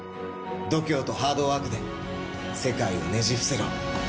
度胸とハードワークで世界をねじ伏せろ。